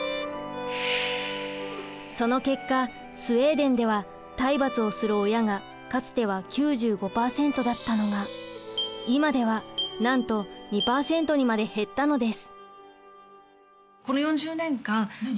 その結果スウェーデンでは体罰をする親がかつては９５％だったのが今ではなんと２％にまで減ったのです。